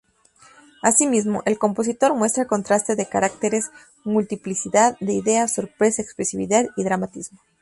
Asimismo, el compositor muestra contraste de caracteres, multiplicidad de ideas, sorpresa, expresividad y dramatismo.